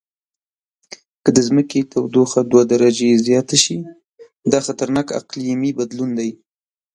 که د ځمکې تودوخه دوه درجې زیاته شي، دا خطرناک اقلیمي بدلون دی.